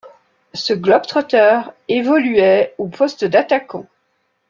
Ce globe-trotter évoluait au poste d'attaquant.